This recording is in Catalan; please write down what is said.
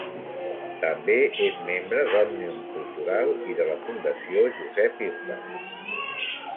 També és membre d'Òmnium Cultural i de la Fundació Josep Irla.